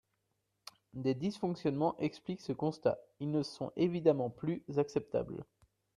Des dysfonctionnements expliquent ce constat, ils ne sont évidemment plus acceptables.